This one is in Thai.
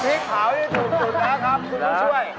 คุณต้องช่วย